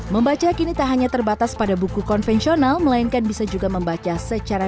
membaca kini tak hanya terbatas pada buku konvensional melainkan bisa juga membaca secara